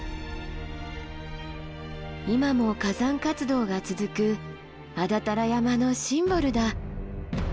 今も火山活動が続く安達太良山のシンボルだ。